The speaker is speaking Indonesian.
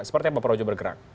seperti apa projo bergerak